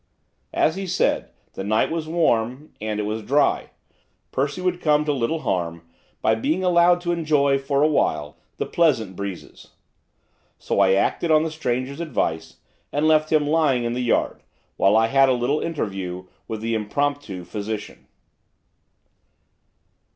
As he said, the night was warm, and it was dry. Percy would come to little harm by being allowed to enjoy, for a while, the pleasant breezes. So I acted on the stranger's advice, and left him lying in the yard, while I had a little interview with the impromptu physician.